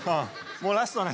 もうラストね。